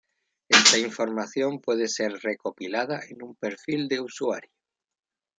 Esta información puede ser recopilada en un "perfil" de usuario.